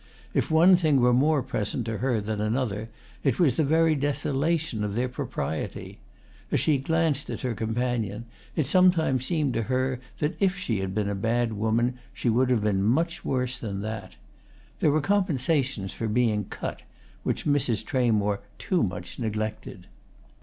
If one thing were more present to her than another it was the very desolation of their propriety. As she glanced at her companion, it sometimes seemed to her that if she had been a bad woman she would have been worse than that. There were compensations for being "cut" which Mrs. Tramore too much neglected.